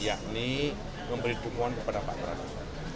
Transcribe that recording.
yakni memberi dukungan kepada pak prabowo